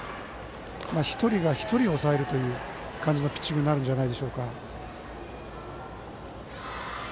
１人が１人を抑えるという感じのピッチングになるのではないかと。